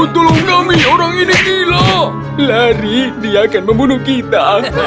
tolong kami orang ini gilau lari dia akan membunuh kita